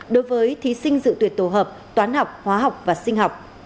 đối với thí sinh dự tuyển tổ hợp toán học hóa học và sinh học